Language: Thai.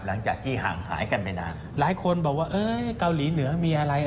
หลังจากที่ห่างหายกันไปนานหลายคนบอกว่าเอ้ยเกาหลีเหนือมีอะไร